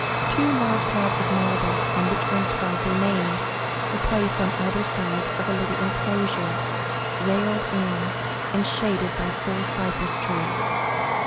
Two large slabs of marble, on which were inscribed their names, were placed on either side of a little enclosure, railed in, and shaded by four cypress trees.